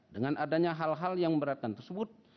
dengan adanya hal hal yang memberatkan tersebut